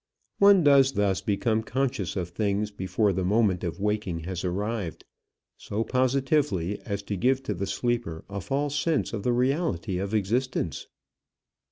One does thus become conscious of things before the moment of waking has arrived, so positively as to give to the sleeper a false sense of the reality of existence.